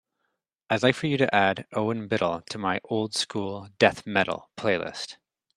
I'd like for you to add Owen Biddle to my Old School Death Metal playlist.